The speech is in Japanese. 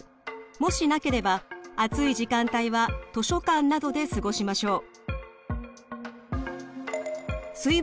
もしなければ暑い時間帯は図書館などで過ごしましょう。